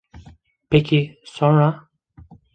Peki, sonra?